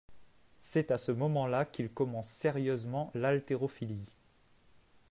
C'est à ce moment-là qu'il commence sérieusement l'haltérophilie.